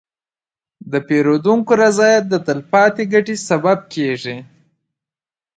د پیرودونکي رضایت د تلپاتې ګټې سبب کېږي.